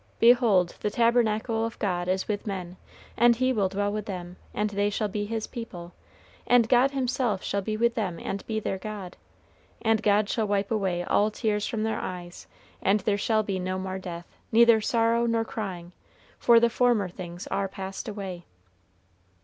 Behold the tabernacle of God is with men, and he will dwell with them, and they shall be his people; and God himself shall be with them and be their God. And God shall wipe away all tears from their eyes; and there shall be no more death, neither sorrow nor crying, for the former things are passed away."